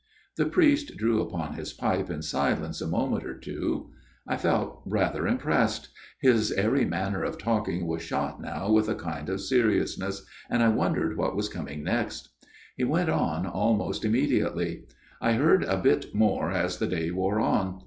The priest drew upon his pipe in silence a moment or two. I felt rather impressed. His airy manner of talking was shot now with a kind of seriousness ; and I wondered what was coming next. He went on almost immediately. " I heard a bit more as the day wore on.